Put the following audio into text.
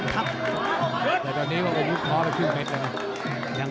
แต่ตอนนี้ก็อมฤทธิ์ท้อละครึ่งเม็ดเลยนะ